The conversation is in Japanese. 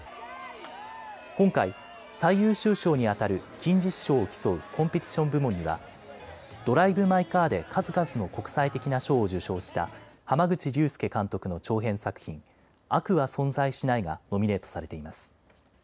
今回、最優秀賞にあたる金獅子賞を競うコンペティション部門にはドライブ・マイ・カーで数々の国際的な賞を受賞した濱口竜介監督の長編作品、悪は存在しないがノミネートされています。